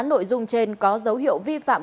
nội dung trên có dấu hiệu vi phạm